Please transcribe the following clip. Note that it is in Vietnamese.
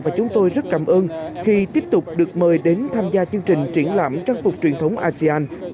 và chúng tôi rất cảm ơn khi tiếp tục được mời đến tham gia chương trình triển lãm trang phục truyền thống asean